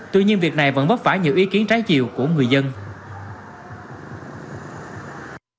tuy nhiên việc này vẫn vấp phải nhiều ý kiến trái chiều của người dân